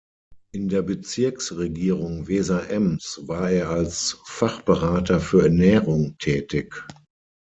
In der Bezirksregierung Weser-Ems war er als Fachberater für Ernährung tätig.